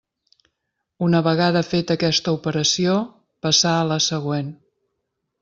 Una vegada feta aquesta operació, passà a la següent.